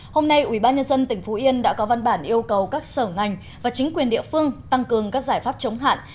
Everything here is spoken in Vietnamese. hôm nay ubnd tỉnh phú yên đã có văn bản yêu cầu các sở ngành và chính quyền địa phương tăng cường các giải pháp chống hạn